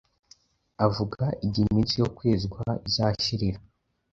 avuga igihe iminsi yo kwezwa izashirira,